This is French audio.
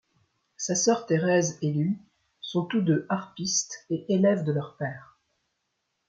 Sa sœur, Thérèse, et lui sont tous deux harpistes et élèves de leur père.